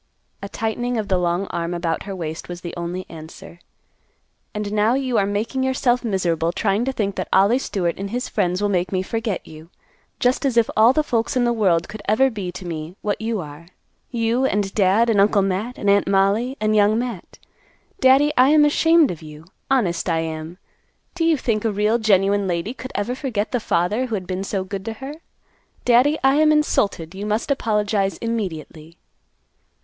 A tightening of the long arm about her waist was the only answer. "And now you are making yourself miserable trying to think that Ollie Stewart and his friends will make me forget you; just as if all the folks in the world could ever be to me what you are; you, and Dad, and Uncle Matt, and Aunt Mollie, and Young Matt. Daddy, I am ashamed of you. Honest, I am. Do you think a real genuine lady could ever forget the father who had been so good to her? Daddy, I am insulted. You must apologize immediately."